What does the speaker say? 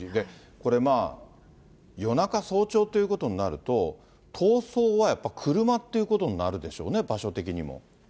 これ、夜中、早朝ということになると、逃走はやっぱ車っていうことになるでしょうね、場所的にも。